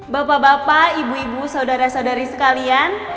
bapak bapak ibu ibu saudara saudari sekalian